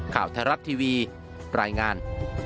ข่าวทรัพย์ทีวีปรายงาน